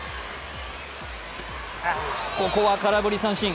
ここは空振り三振。